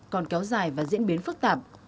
còn kéo dài và diễn biến phức tạp